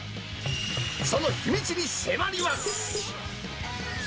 その秘密に迫ります。